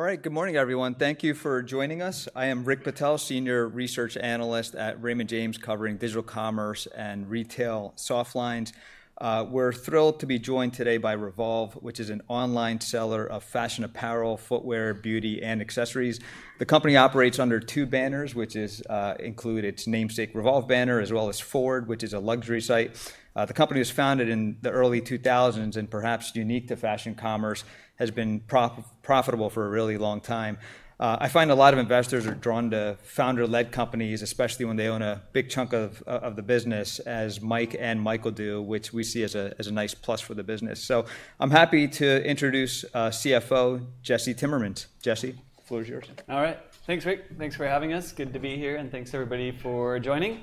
All right, good morning, everyone. Thank you for joining us. I am Rick Patel, Senior Research Analyst at Raymond James, covering digital commerce and retail soft lines. We're thrilled to be joined today by Revolve, which is an online seller of fashion apparel, footwear, beauty, and accessories. The company operates under two banners, which include its namesake Revolve banner, as well as FWRD, which is a luxury site. The company was founded in the early 2000s and, perhaps unique to fashion commerce, has been profitable for a really long time. I find a lot of investors are drawn to founder-led companies, especially when they own a big chunk of the business, as Mike and Michael do, which we see as a nice plus for the business. So I'm happy to introduce CFO Jesse Timmermans. Jesse, the floor is yours. All right. Thanks, Rick. Thanks for having us. Good to be here, and thanks, everybody, for joining.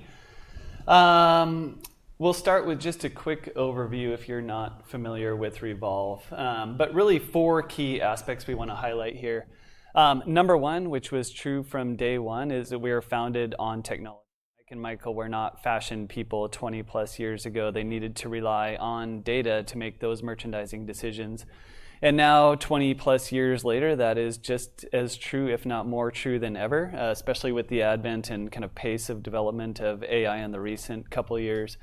We'll start with just a quick overview if you're not familiar with Revolve, but really four key aspects we want to highlight here. Number one, which was true from day one, is that we are founded on technology. Mike and Michael were not fashion people 20-plus years ago. They needed to rely on data to make those merchandising decisions, and now, 20-plus years later, that is just as true, if not more true than ever, especially with the advent and kind of pace of development of AI in the recent couple of years.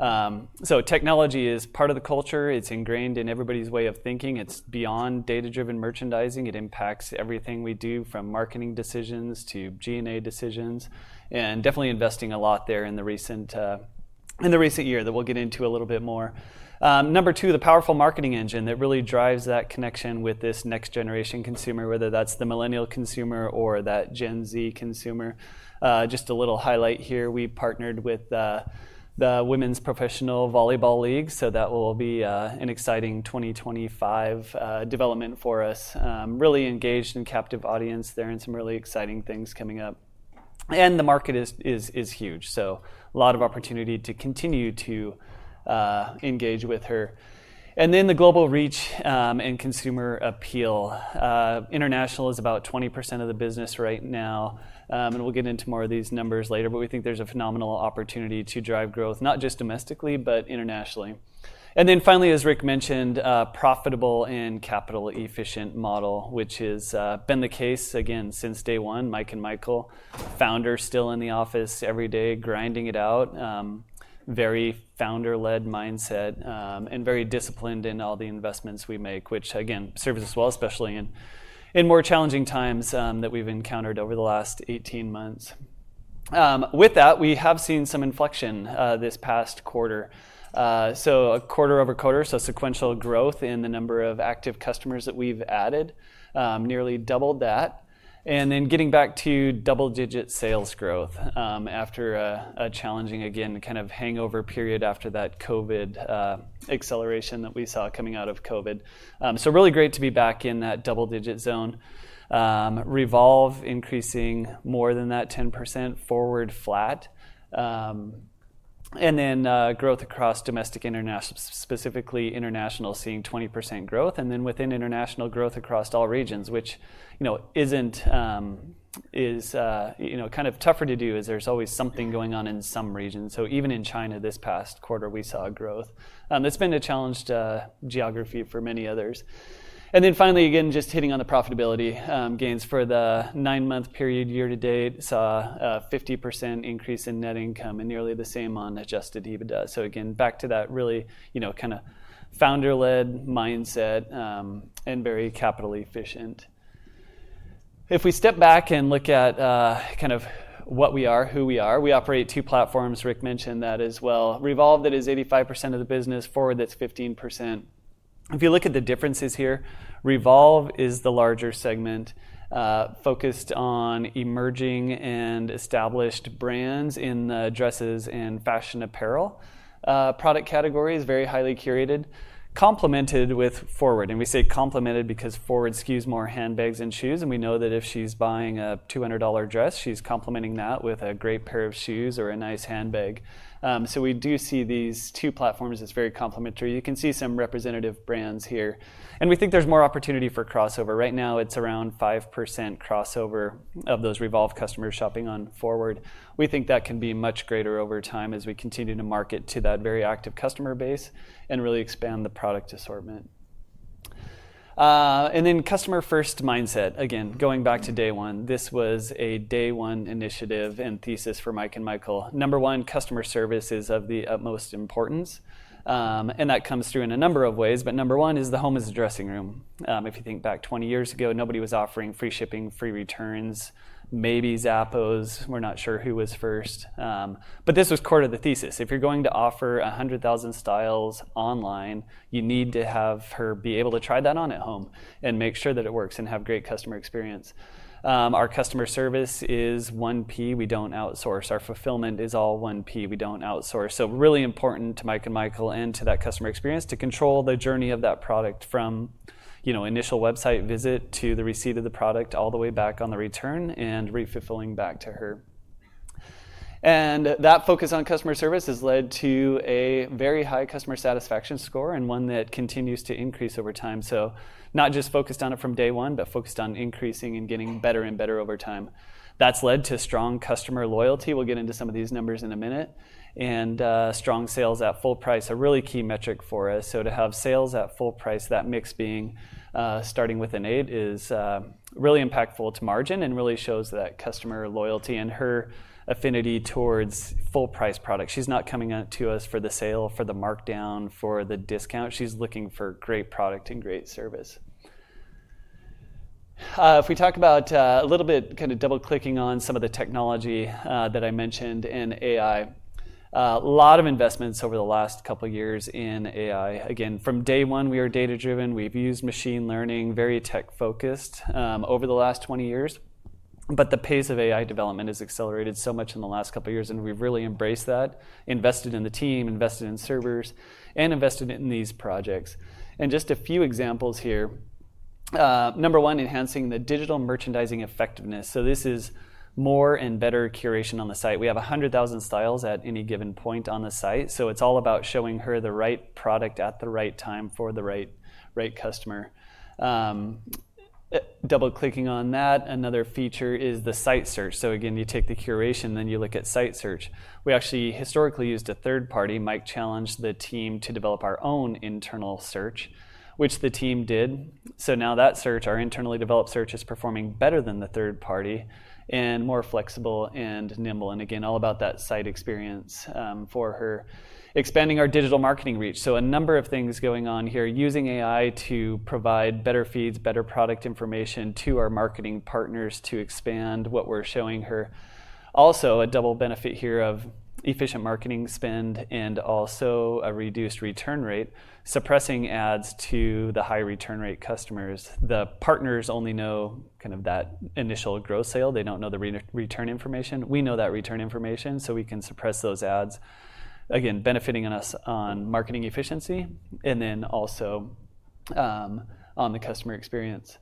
So technology is part of the culture. It's ingrained in everybody's way of thinking. It's beyond data-driven merchandising. It impacts everything we do, from marketing decisions to G&A decisions, and definitely investing a lot there in the recent year that we'll get into a little bit more. Number two, the powerful marketing engine that really drives that connection with this next-generation consumer, whether that's the millennial consumer or that Gen Z consumer. Just a little highlight here, we partnered with the women's professional volleyball league, so that will be an exciting 2025 development for us. Really engaged and captive audience there and some really exciting things coming up. And the market is huge, so a lot of opportunity to continue to engage with her. And then the global reach and consumer appeal. International is about 20% of the business right now, and we'll get into more of these numbers later, but we think there's a phenomenal opportunity to drive growth, not just domestically, but internationally. And then finally, as Rick mentioned, a profitable and capital-efficient model, which has been the case, again, since day one. Mike and Michael, founders still in the office every day, grinding it out. Very founder-led mindset and very disciplined in all the investments we make, which, again, serves us well, especially in more challenging times that we've encountered over the last 18 months. With that, we have seen some inflection this past quarter, so a quarter over quarter, so sequential growth in the number of active customers that we've added, nearly doubled that. And then getting back to double-digit sales growth after a challenging, again, kind of hangover period after that COVID acceleration that we saw coming out of COVID, so really great to be back in that double-digit zone. Revolve increasing more than that 10%, FWRD flat. And then growth across domestic and international, specifically international, seeing 20% growth. And then within international, growth across all regions, which is kind of tougher to do, as there's always something going on in some regions. So even in China, this past quarter, we saw growth. That's been a challenged geography for many others. And then finally, again, just hitting on the profitability gains for the nine-month period year to date, saw a 50% increase in net income and nearly the same on Adjusted EBITDA. So again, back to that really kind of founder-led mindset and very capital-efficient. If we step back and look at kind of what we are, who we are, we operate two platforms. Rick mentioned that as well. Revolve, that is 85% of the business. FWRD, that's 15%. If you look at the differences here, Revolve is the larger segment, focused on emerging and established brands in the dresses and fashion apparel product categories, very highly curated, complemented with FWRD. And we say complemented because FWRD skews more handbags than shoes, and we know that if she's buying a $200 dress, she's complementing that with a great pair of shoes or a nice handbag. So we do see these two platforms as very complementary. You can see some representative brands here. And we think there's more opportunity for crossover. Right now, it's around 5% crossover of those Revolve customers shopping on FWRD. We think that can be much greater over time as we continue to market to that very active customer base and really expand the product assortment. And then customer-first mindset. Again, going back to day one, this was a day-one initiative and thesis for Mike and Michael. Number one, customer service is of the utmost importance, and that comes through in a number of ways. But number one is the home is a dressing room. If you think back 20 years ago, nobody was offering free shipping, free returns, maybe Zappos. We're not sure who was first. But this was core to the thesis. If you're going to offer 100,000 styles online, you need to have her be able to try that on at home and make sure that it works and have great customer experience. Our customer service is 1P. We don't outsource. Our fulfillment is all 1P. We don't outsource. Really important to Mike and Michael and to that customer experience to control the journey of that product from initial website visit to the receipt of the product all the way back on the return and re-fulfilling back to her. That focus on customer service has led to a very high customer satisfaction score and one that continues to increase over time. Not just focused on it from day one, but focused on increasing and getting better and better over time. That's led to strong customer loyalty. We'll get into some of these numbers in a minute. Strong sales at full price are a really key metric for us. To have sales at full price, that mix being starting with an eight is really impactful to margin and really shows that customer loyalty and her affinity towards full-price products. She's not coming to us for the sale, for the markdown, for the discount. She's looking for great product and great service. If we talk about a little bit kind of double-clicking on some of the technology that I mentioned in AI, a lot of investments over the last couple of years in AI. Again, from day one, we are data-driven. We've used machine learning, very tech-focused over the last 20 years. But the pace of AI development has accelerated so much in the last couple of years, and we've really embraced that, invested in the team, invested in servers, and invested in these projects. And just a few examples here. Number one, enhancing the digital merchandising effectiveness. So this is more and better curation on the site. We have 100,000 styles at any given point on the site. It's all about showing her the right product at the right time for the right customer. Double-clicking on that, another feature is the site search. Again, you take the curation, then you look at site search. We actually historically used a third party. Mike challenged the team to develop our own internal search, which the team did. Now that search, our internally developed search, is performing better than the third party and more flexible and nimble. Again, all about that site experience for her, expanding our digital marketing reach. A number of things going on here, using AI to provide better feeds, better product information to our marketing partners to expand what we're showing her. Also, a double benefit here of efficient marketing spend and also a reduced return rate, suppressing ads to the high return rate customers. The partners only know kind of that initial gross sale. They don't know the return information. We know that return information, so we can suppress those ads. Again, benefiting us on marketing efficiency and then also on the customer experience,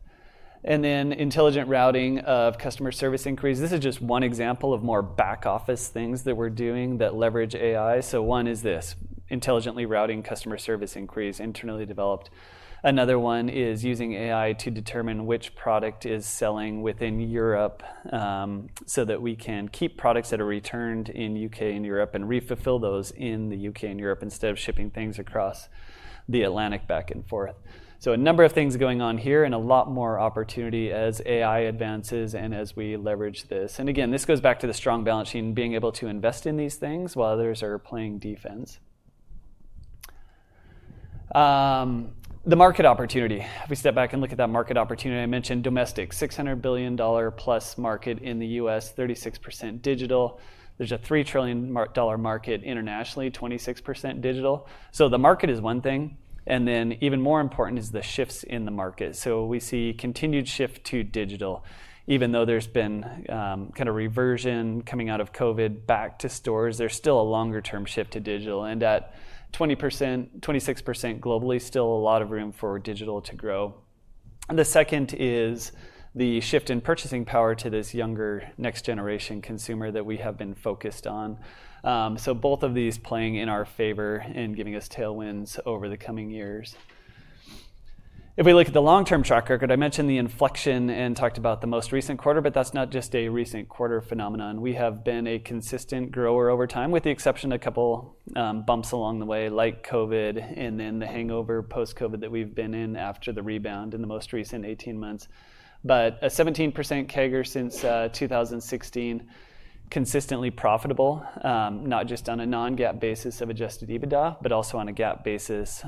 and then intelligent routing of customer service inquiries. This is just one example of more back-office things that we're doing that leverage AI. So one is this, intelligently routing customer service inquiries, internally developed. Another one is using AI to determine which product is selling within Europe so that we can keep products that are returned in the UK and Europe and refulfill those in the UK and Europe instead of shipping things across the Atlantic back and forth, so a number of things going on here and a lot more opportunity as AI advances and as we leverage this. Again, this goes back to the strong balance sheet, being able to invest in these things while others are playing defense. The market opportunity. If we step back and look at that market opportunity, I mentioned domestic, $600 billion-plus market in the U.S., 36% digital. There's a $3 trillion market internationally, 26% digital. The market is one thing, and then even more important is the shifts in the market. We see continued shift to digital. Even though there's been kind of reversion coming out of COVID back to stores, there's still a longer-term shift to digital. At 20%, 26% globally, still a lot of room for digital to grow. The second is the shift in purchasing power to this younger next-generation consumer that we have been focused on. Both of these playing in our favor and giving us tailwinds over the coming years. If we look at the long-term track record, I mentioned the inflection and talked about the most recent quarter, but that's not just a recent quarter phenomenon. We have been a consistent grower over time, with the exception of a couple of bumps along the way, like COVID and then the hangover post-COVID that we've been in after the rebound in the most recent 18 months. But a 17% CAGR since 2016, consistently profitable, not just on a non-GAAP basis of Adjusted EBITDA, but also on a GAAP basis,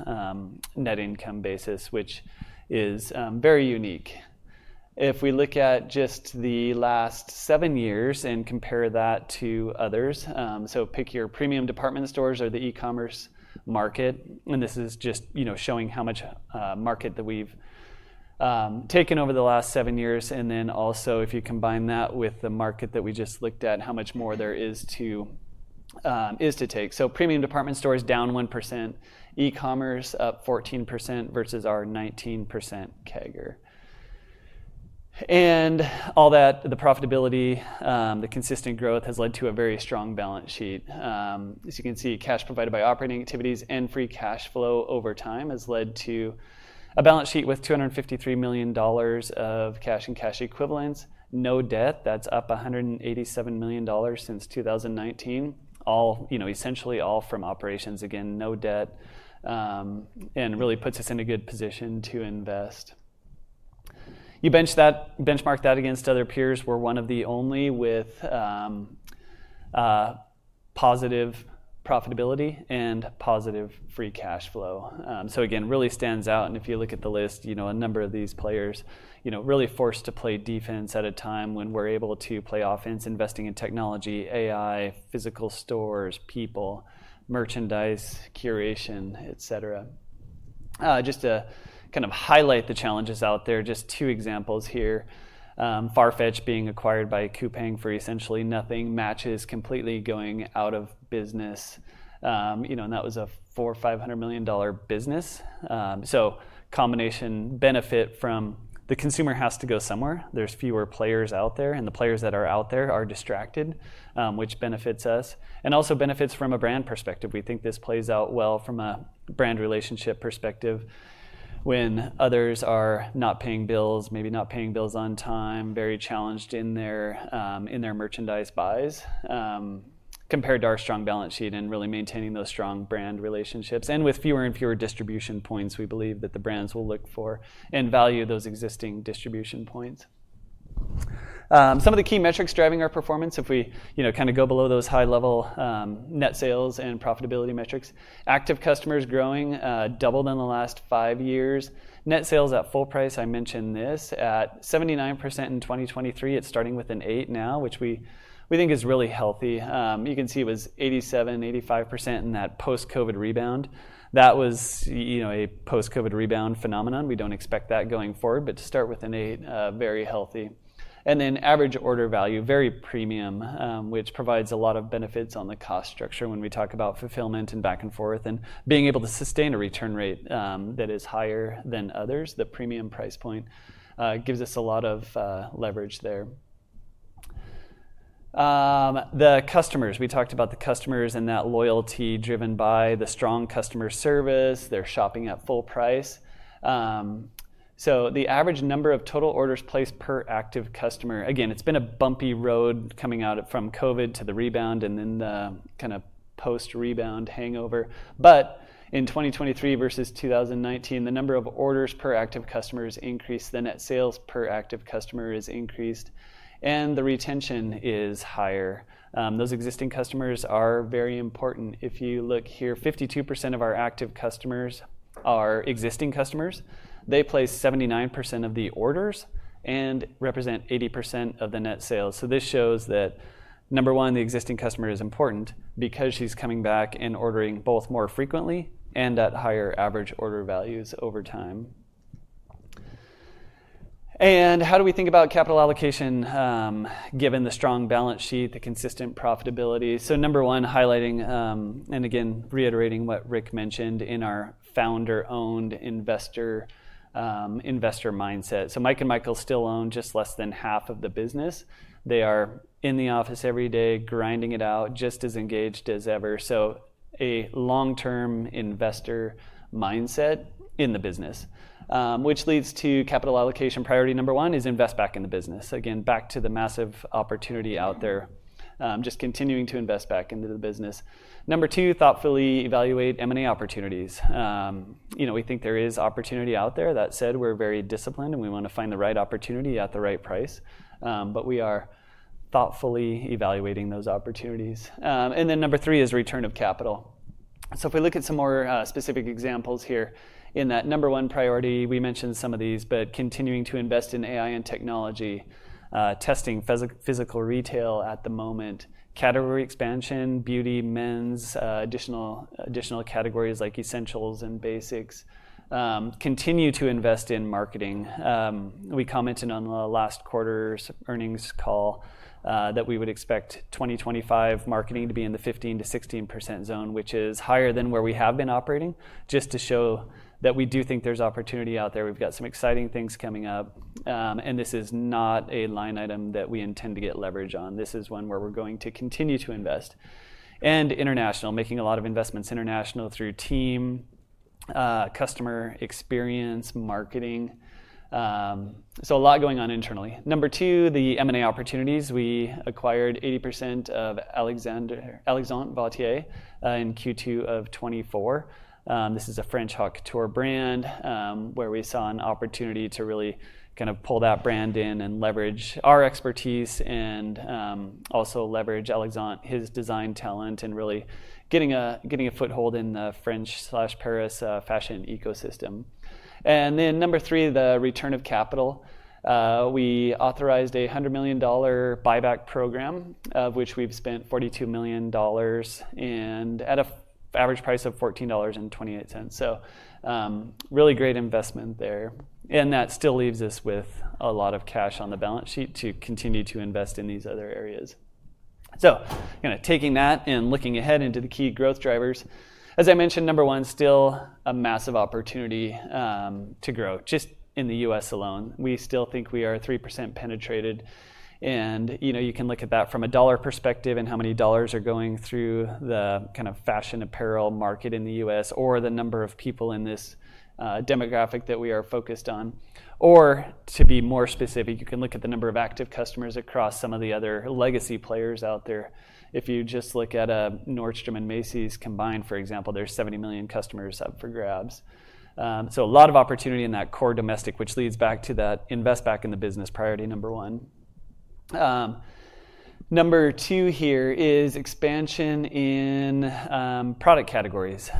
net income basis, which is very unique. If we look at just the last seven years and compare that to others, so pick your premium department stores or the e-commerce market, and this is just showing how much market that we've taken over the last seven years. And then also, if you combine that with the market that we just looked at, how much more there is to take. So premium department stores down 1%, e-commerce up 14% versus our 19% CAGR. And all that, the profitability, the consistent growth has led to a very strong balance sheet. As you can see, cash provided by operating activities and free cash flow over time has led to a balance sheet with $253 million of cash and cash equivalents. No debt. That's up $187 million since 2019, essentially all from operations. Again, no debt and really puts us in a good position to invest. You benchmark that against other peers. We're one of the only with positive profitability and positive free cash flow. So again, really stands out. And if you look at the list, a number of these players really forced to play defense at a time when we're able to play offense, investing in technology, AI, physical stores, people, merchandise, curation, etc. Just to kind of highlight the challenges out there, just two examples here. Farfetch being acquired by Coupang for essentially nothing. Matches completely going out of business. And that was a $400 million-$500 million business. So combination benefit from the consumer has to go somewhere. There's fewer players out there, and the players that are out there are distracted, which benefits us and also benefits from a brand perspective. We think this plays out well from a brand relationship perspective when others are not paying bills, maybe not paying bills on time, very challenged in their merchandise buys compared to our strong balance sheet and really maintaining those strong brand relationships. With fewer and fewer distribution points, we believe that the brands will look for and value those existing distribution points. Some of the key metrics driving our performance, if we kind of go below those high-level net sales and profitability metrics, active customers growing doubled in the last five years. Net sales at full price, I mentioned this, at 79% in 2023. It's starting with an eight now, which we think is really healthy. You can see it was 87%, 85% in that post-COVID rebound. That was a post-COVID rebound phenomenon. We don't expect that going forward, but to start with an eight, very healthy. And then average order value, very premium, which provides a lot of benefits on the cost structure when we talk about fulfillment and back and forth and being able to sustain a return rate that is higher than others. The premium price point gives us a lot of leverage there. The customers, we talked about the customers and that loyalty driven by the strong customer service. They're shopping at full price, so the average number of total orders placed per active customer. Again, it's been a bumpy road coming out from COVID to the rebound and then the kind of post-rebound hangover, but in 2023 versus 2019, the number of orders per active customers increased, the net sales per active customer has increased, and the retention is higher. Those existing customers are very important. If you look here, 52% of our active customers are existing customers. They place 79% of the orders and represent 80% of the net sales, so this shows that, number one, the existing customer is important because she's coming back and ordering both more frequently and at higher average order values over time. And how do we think about capital allocation given the strong balance sheet, the consistent profitability? So number one, highlighting and again, reiterating what Rick mentioned in our founder-owned investor mindset. So Mike and Michael still own just less than half of the business. They are in the office every day, grinding it out, just as engaged as ever. So a long-term investor mindset in the business, which leads to capital allocation priority number one, is invest back in the business. Again, back to the massive opportunity out there, just continuing to invest back into the business. Number two, thoughtfully evaluate M&A opportunities. We think there is opportunity out there. That said, we're very disciplined, and we want to find the right opportunity at the right price. But we are thoughtfully evaluating those opportunities. And then number three is return of capital. So if we look at some more specific examples here in that number one priority, we mentioned some of these, but continuing to invest in AI and technology, testing physical retail at the moment, category expansion, beauty, men's, additional categories like essentials and basics. Continue to invest in marketing. We commented on the last quarter's earnings call that we would expect 2025 marketing to be in the 15%-16% zone, which is higher than where we have been operating, just to show that we do think there's opportunity out there. We've got some exciting things coming up, and this is not a line item that we intend to get leverage on. This is one where we're going to continue to invest. And international, making a lot of investments international through team, customer experience, marketing. So a lot going on internally. Number two, the M&A opportunities. We acquired 80% of Alexandre Vauthier in Q2 of 2024. This is a French haute couture brand where we saw an opportunity to really kind of pull that brand in and leverage our expertise and also leverage Alexandre, his design talent, and really getting a foothold in the French/Paris fashion ecosystem. And then number three, the return of capital. We authorized a $100 million buyback program, of which we've spent $42 million and at an average price of $14.28. So really great investment there. And that still leaves us with a lot of cash on the balance sheet to continue to invest in these other areas. So kind of taking that and looking ahead into the key growth drivers. As I mentioned, number one, still a massive opportunity to grow just in the U.S. alone. We still think we are 3% penetrated. You can look at that from a dollar perspective and how many dollars are going through the kind of fashion apparel market in the U.S. or the number of people in this demographic that we are focused on. Or to be more specific, you can look at the number of active customers across some of the other legacy players out there. If you just look at Nordstrom and Macy's combined, for example, there's 70 million customers up for grabs. So a lot of opportunity in that core domestic, which leads back to that invest back in the business priority, number one. Number two here is expansion in product categories.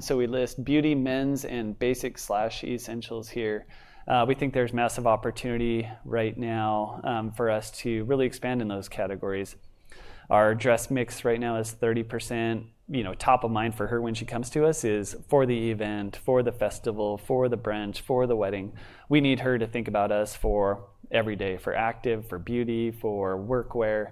So we list beauty, men's, and basic/essentials here. We think there's massive opportunity right now for us to really expand in those categories. Our dress mix right now is 30%. Top of mind for her when she comes to us is for the event, for the festival, for the brunch, for the wedding. We need her to think about us for every day, for active, for beauty, for workwear.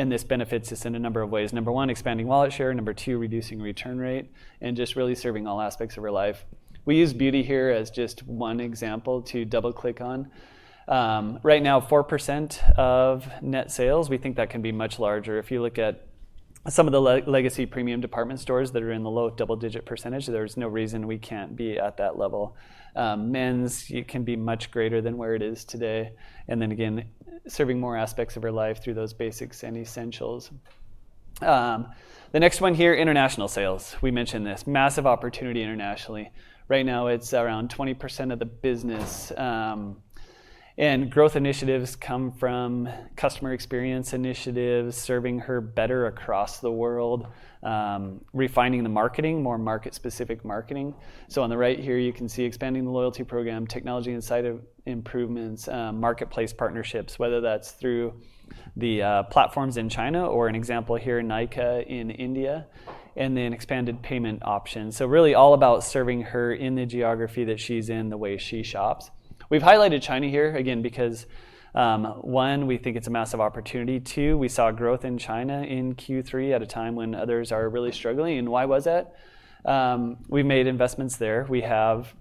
And this benefits us in a number of ways. Number one, expanding wallet share. Number two, reducing return rate and just really serving all aspects of her life. We use beauty here as just one example to double-click on. Right now, 4% of net sales. We think that can be much larger. If you look at some of the legacy premium department stores that are in the low double-digit %, there's no reason we can't be at that level. Men's, it can be much greater than where it is today. And then again, serving more aspects of her life through those basics and essentials. The next one here, international sales. We mentioned this. Massive opportunity internationally. Right now, it's around 20% of the business, and growth initiatives come from customer experience initiatives, serving her better across the world, refining the marketing, more market-specific marketing, so on the right here, you can see expanding the loyalty program, technology insight improvements, marketplace partnerships, whether that's through the platforms in China or an example here in Nykaa in India, and then expanded payment options, so really all about serving her in the geography that she's in, the way she shops. We've highlighted China here, again, because, one, we think it's a massive opportunity. Two, we saw growth in China in Q3 at a time when others are really struggling, and why was that? We've made investments there. We have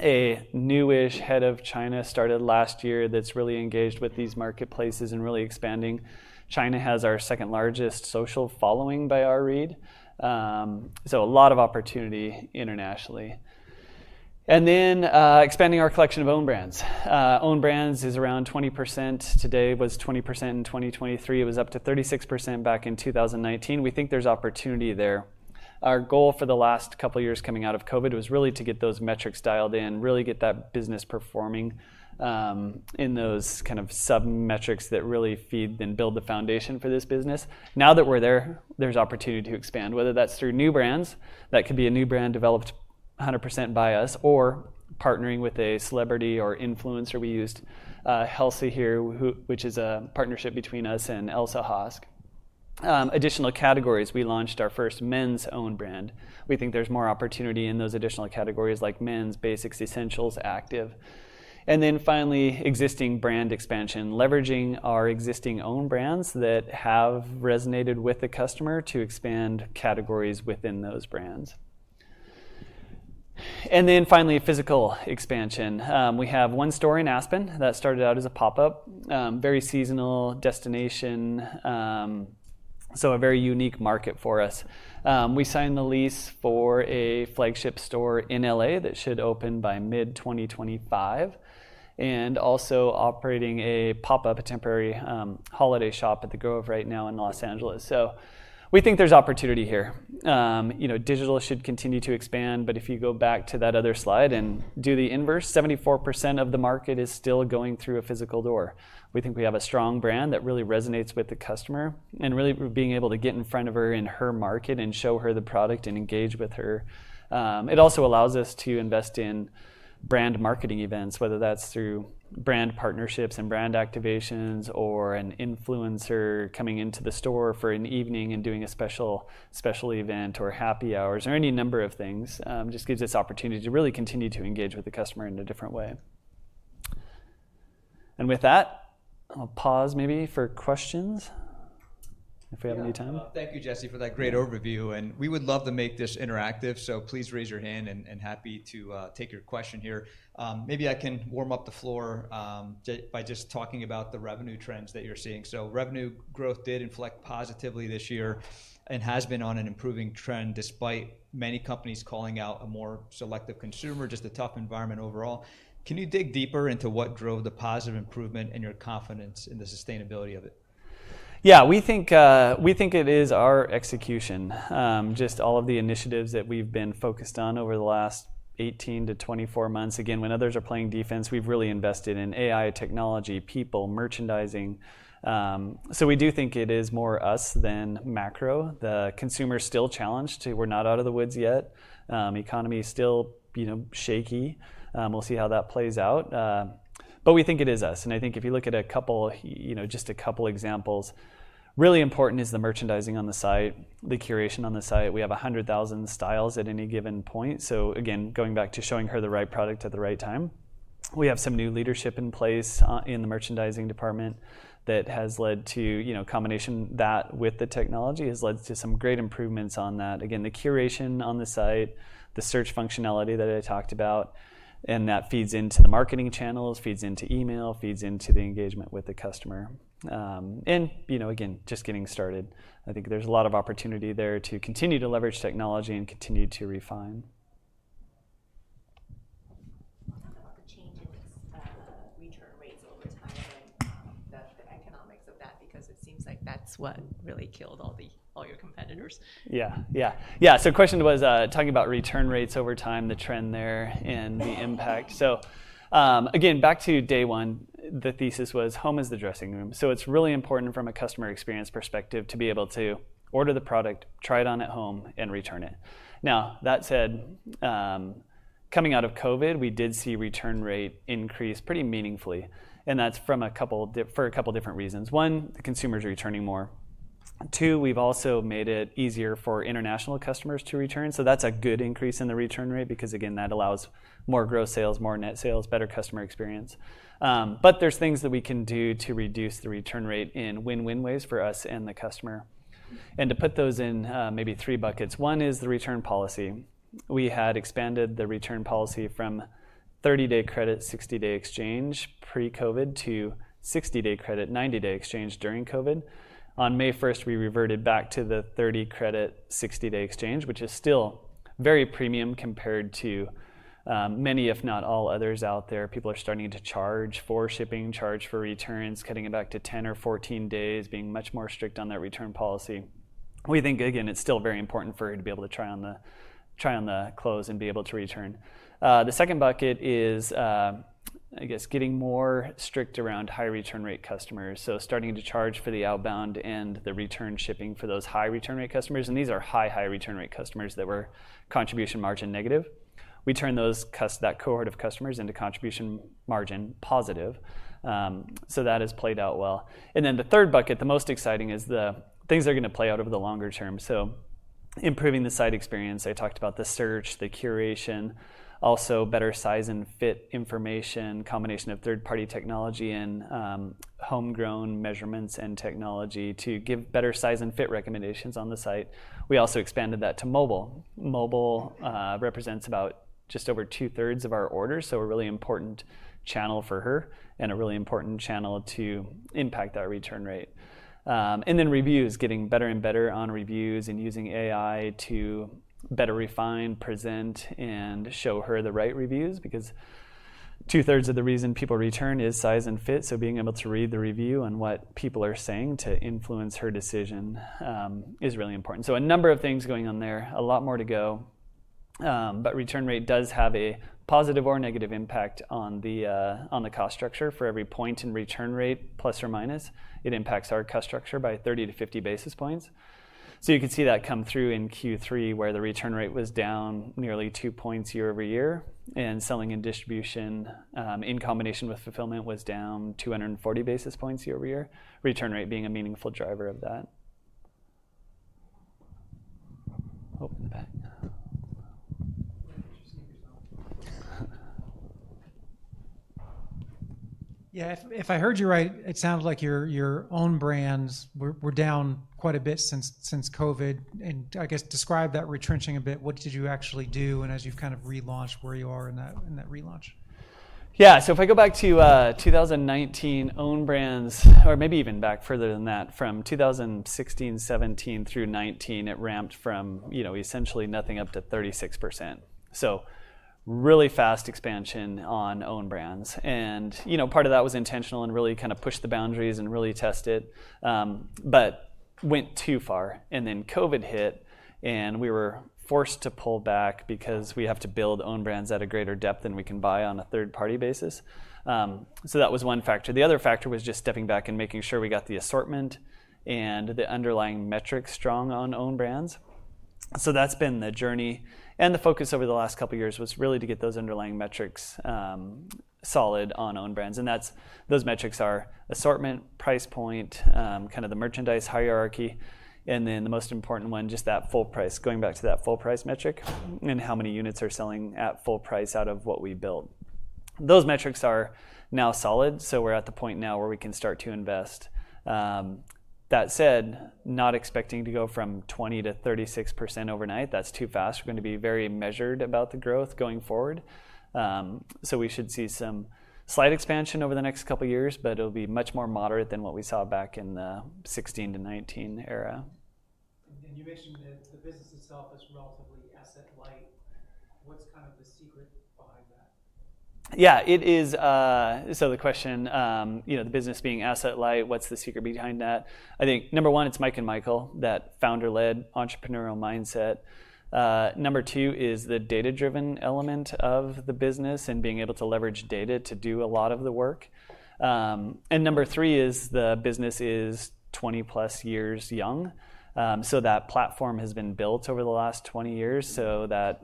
a new-ish head of China started last year that's really engaged with these marketplaces and really expanding. China has our second-largest social following by our read, so a lot of opportunity internationally, and then expanding our collection of own brands. Own brands is around 20% today. Was 20% in 2023. It was up to 36% back in 2019. We think there's opportunity there. Our goal for the last couple of years coming out of COVID was really to get those metrics dialed in, really get that business performing in those kind of sub-metrics that really feed and build the foundation for this business. Now that we're there, there's opportunity to expand, whether that's through new brands. That could be a new brand developed 100% by us or partnering with a celebrity or influencer. We used Helsa here, which is a partnership between us and Elsa Hosk. Additional categories. We launched our first men's own brand. We think there's more opportunity in those additional categories like men's, basics, essentials, active. And then finally, existing brand expansion, leveraging our existing own brands that have resonated with the customer to expand categories within those brands. And then finally, physical expansion. We have one store in Aspen that started out as a pop-up, very seasonal destination, so a very unique market for us. We signed the lease for a flagship store in LA that should open by mid-2025 and also operating a pop-up, a temporary holiday shop at The Grove right now in Los Angeles. So we think there's opportunity here. Digital should continue to expand, but if you go back to that other slide and do the inverse, 74% of the market is still going through a physical door. We think we have a strong brand that really resonates with the customer and really being able to get in front of her in her market and show her the product and engage with her. It also allows us to invest in brand marketing events, whether that's through brand partnerships and brand activations or an influencer coming into the store for an evening and doing a special event or happy hours or any number of things. It just gives us opportunity to really continue to engage with the customer in a different way. And with that, I'll pause maybe for questions if we have any time. Thank you, Jesse, for that great overview. And we would love to make this interactive, so please raise your hand and happy to take your question here. Maybe I can warm up the floor by just talking about the revenue trends that you're seeing. So revenue growth did inflect positively this year and has been on an improving trend despite many companies calling out a more selective consumer, just a tough environment overall. Can you dig deeper into what drove the positive improvement and your confidence in the sustainability of it? Yeah, we think it is our execution, just all of the initiatives that we've been focused on over the last 18-24 months. Again, when others are playing defense, we've really invested in AI, technology, people, merchandising. So we do think it is more us than macro. The consumer is still challenged. We're not out of the woods yet. Economy is still shaky. We'll see how that plays out. But we think it is us. And I think if you look at just a couple of examples, really important is the merchandising on the site, the curation on the site. We have 100,000 styles at any given point. So again, going back to showing her the right product at the right time. We have some new leadership in place in the merchandising department that has led to combination that with the technology has led to some great improvements on that. Again, the curation on the site, the search functionality that I talked about, and that feeds into the marketing channels, feeds into email, feeds into the engagement with the customer. And again, just getting started. I think there's a lot of opportunity there to continue to leverage technology and continue to refine. Talk about the change in return rates over time and the economics of that because it seems like that's what really killed all your competitors. Yeah, yeah, yeah. So question was talking about return rates over time, the trend there and the impact. So again, back to day one, the thesis was home is the dressing room. So it's really important from a customer experience perspective to be able to order the product, try it on at home, and return it. Now, that said, coming out of COVID, we did see return rate increase pretty meaningfully. And that's for a couple of different reasons. One, the consumers are returning more. Two, we've also made it easier for international customers to return. So that's a good increase in the return rate because, again, that allows more gross sales, more net sales, better customer experience. But there's things that we can do to reduce the return rate in win-win ways for us and the customer. And to put those in maybe three buckets. One is the return policy. We had expanded the return policy from 30-day credit, 60-day exchange pre-COVID to 60-day credit, 90-day exchange during COVID. On May 1st, we reverted back to the 30-day credit, 60-day exchange, which is still very premium compared to many, if not all others out there. People are starting to charge for shipping, charge for returns, cutting it back to 10 or 14 days, being much more strict on that return policy. We think, again, it's still very important for her to be able to try on the clothes and be able to return. The second bucket is, I guess, getting more strict around high-return rate customers. So starting to charge for the outbound and the return shipping for those high-return rate customers. And these are high, high-return rate customers that were contribution margin negative. We turn that cohort of customers into contribution margin positive. So that has played out well. And then the third bucket, the most exciting, is the things that are going to play out over the longer term. So improving the site experience. I talked about the search, the curation, also better size and fit information, combination of third-party technology and homegrown measurements and technology to give better size and fit recommendations on the site. We also expanded that to mobile. Mobile represents about just over two-thirds of our orders. So a really important channel for her and a really important channel to impact our return rate. And then reviews, getting better and better on reviews and using AI to better refine, present, and show her the right reviews because two-thirds of the reason people return is size and fit. So being able to read the review and what people are saying to influence her decision is really important. So a number of things going on there, a lot more to go. But return rate does have a positive or negative impact on the cost structure for every point in return rate, plus or minus. It impacts our cost structure by 30-50 basis points. So you can see that come through in Q3 where the return rate was down nearly two points year over year. And selling and distribution in combination with fulfillment was down 240 basis points year over year, return rate being a meaningful driver of that. Open the back. Yeah, if I heard you right, it sounded like your own brands were down quite a bit since COVID. And I guess describe that retrenching a bit. What did you actually do? And as you've kind of relaunched, where you are in that relaunch? Yeah, so if I go back to 2019 own brands, or maybe even back further than that, from 2016, 2017 through 2019, it ramped from essentially nothing up to 36%, so really fast expansion on own brands, and part of that was intentional and really kind of pushed the boundaries and really tested, but went too far, and then COVID hit, and we were forced to pull back because we have to build own brands at a greater depth than we can buy on a third-party basis, so that was one factor. The other factor was just stepping back and making sure we got the assortment and the underlying metrics strong on own brands, so that's been the journey, and the focus over the last couple of years was really to get those underlying metrics solid on own brands. Those metrics are assortment, price point, kind of the merchandise hierarchy. And then the most important one, just that full price, going back to that full price metric and how many units are selling at full price out of what we built. Those metrics are now solid. So we're at the point now where we can start to invest. That said, not expecting to go from 20%-36% overnight. That's too fast. We're going to be very measured about the growth going forward. So we should see some slight expansion over the next couple of years, but it'll be much more moderate than what we saw back in the 2016-2019 era. And you mentioned that the business itself is relatively asset light. What's kind of the secret behind that? Yeah, it is. So the question, the business being asset light, what's the secret behind that? I think number one, it's Mike and Michael, that founder-led entrepreneurial mindset. Number two is the data-driven element of the business and being able to leverage data to do a lot of the work. And number three is the business is 20-plus years young. So that platform has been built over the last 20 years. So that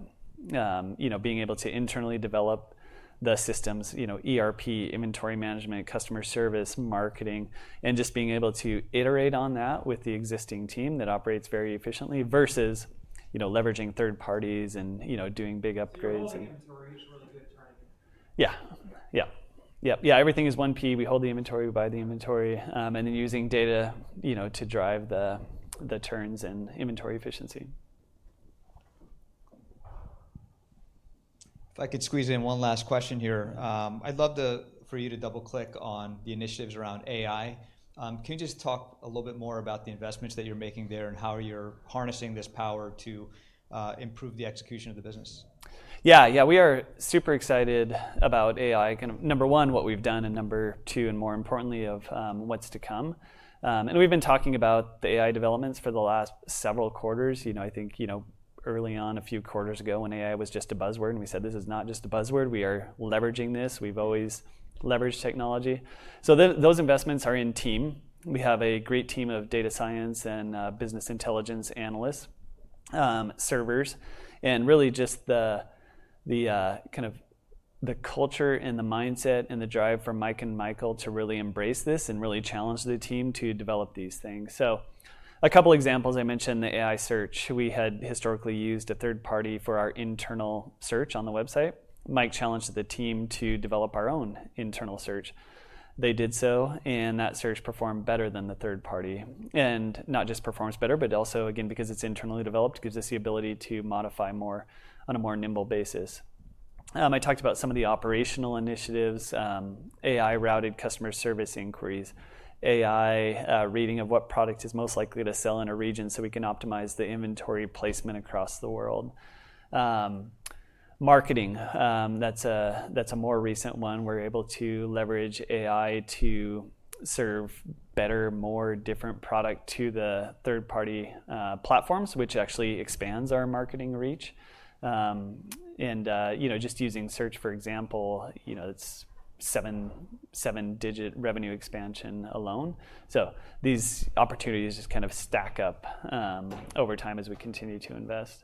being able to internally develop the systems, ERP, inventory management, customer service, marketing, and just being able to iterate on that with the existing team that operates very efficiently versus leveraging third parties and doing big upgrades. Inventory is really good, right? Yeah, yeah, yeah. Everything is 1P. We hold the inventory. We buy the inventory. And then using data to drive the turns and inventory efficiency. If I could squeeze in one last question here, I'd love for you to double-click on the initiatives around AI. Can you just talk a little bit more about the investments that you're making there and how you're harnessing this power to improve the execution of the business? Yeah, yeah. We are super excited about AI. Number one, what we've done, and number two, and more importantly, of what's to come, and we've been talking about the AI developments for the last several quarters. I think early on, a few quarters ago, when AI was just a buzzword, and we said, "This is not just a buzzword. We are leveraging this. We've always leveraged technology." So those investments are in team. We have a great team of data science and business intelligence analysts, servers, and really just the kind of the culture and the mindset and the drive from Mike and Michael to really embrace this and really challenge the team to develop these things. A couple of examples I mentioned, the AI search. We had historically used a third party for our internal search on the website. Mike challenged the team to develop our own internal search. They did so, and that search performed better than the third party. Not just performs better, but also, again, because it's internally developed, gives us the ability to modify more on a more nimble basis. I talked about some of the operational initiatives, AI-routed customer service inquiries, AI reading of what product is most likely to sell in a region so we can optimize the inventory placement across the world. Marketing, that's a more recent one. We're able to leverage AI to serve better, more different product to the third-party platforms, which actually expands our marketing reach. Just using search, for example, it's seven-digit revenue expansion alone. So these opportunities just kind of stack up over time as we continue to invest.